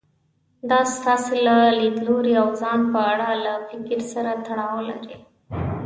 دا ستاسې له ليدلوري او ځان په اړه له فکر سره تړاو لري.